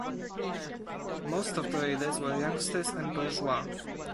Most of the readers were youngsters and bourgeois.